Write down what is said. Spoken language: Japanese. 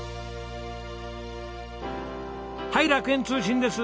はい楽園通信です。